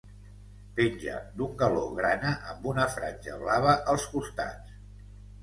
Penja d'un galó grana amb una franja blava als costats.